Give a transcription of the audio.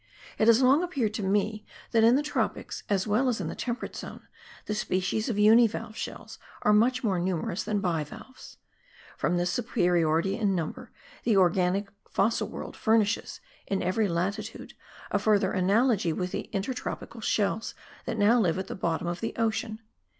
It has long appeared to me that in the tropics as well as in the temperate zone the species of univalve shells are much more numerous than bivalves. From this superiority in number the organic fossil world furnishes, in every latitude, a further analogy with the intertropical shells that now live at the bottom of the ocean.